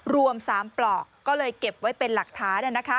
รวม๓ปลอกก็เลยเก็บไว้เป็นหลักฐาน